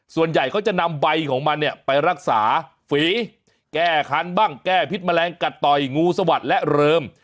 ส่วนใหญ่เขาจะนำใบของมันเนี่ยไปรักษาฝีแก้คันบ้างแก้พิษแมลงกัดต่อยงูสวัสดิ์และเริม